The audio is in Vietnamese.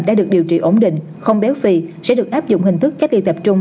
đã được điều trị ổn định không béo phì sẽ được áp dụng hình thức cách ly tập trung